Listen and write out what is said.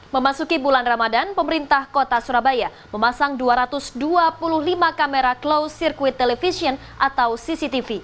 memasuki bulan ramadan pemerintah kota surabaya memasang dua ratus dua puluh lima kamera close circuit television atau cctv